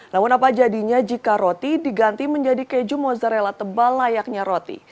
namun apa jadinya jika roti diganti menjadi keju mozzarella tebal layaknya roti